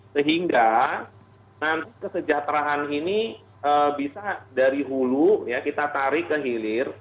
sehingga nanti kesejahteraan ini bisa dari hulu ya kita tarik ke hilir